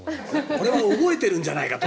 これは覚えているんじゃないかな。